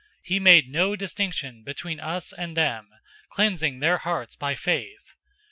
015:009 He made no distinction between us and them, cleansing their hearts by faith.